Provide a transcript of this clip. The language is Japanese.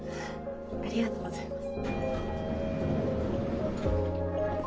ありがとうございます。